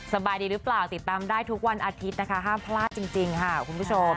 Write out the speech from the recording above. สบายดีหรือเปล่าติดตามได้ทุกวันอาทิตย์นะคะห้ามพลาดจริงค่ะคุณผู้ชม